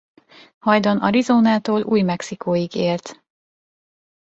Hajdan Arizonától Új-Mexikóig élt.